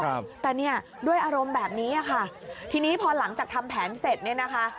ครับแต่เนี่ยด้วยอารมณ์แบบนี้อ่ะค่ะทีนี้พอหลังจากทำแผนเสร็จเนี่ยนะคะ